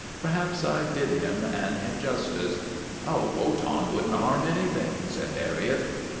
Perhaps I did him an injustice." " Oh, Wotan would n't harm anything," said Harriet.